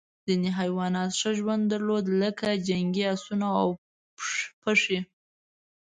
ځینې حیوانات ښه ژوند درلود لکه جنګي اسونه او پشۍ.